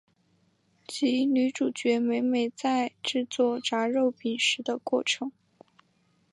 及女主角美美在制作炸肉饼时的过程。